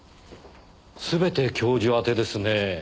全て教授宛てですねぇ。